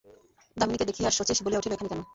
দামিনীকে দেখিয়া শচীশ বলিয়া উঠিল, এখানে কেন?